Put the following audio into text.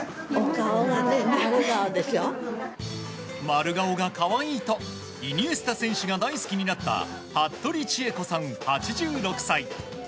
丸顔が可愛いとイニエスタ選手が大好きになった服部千恵子さん、８６歳。